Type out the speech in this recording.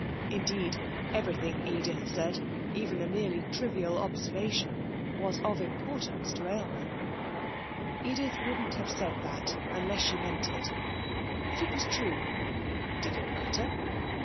Indeed, everything Edith said, even a merely trivial observation, was of importance to Aylmer. Edith wouldn't have said that unless she meant it. If it was true, did it matter?